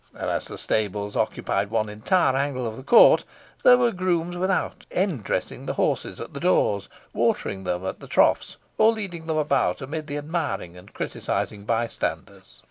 and, as the stables occupied one entire angle of the court, there were grooms without end dressing the horses at the doors, watering them at the troughs, or leading them about amid the admiring or criticising bystanders.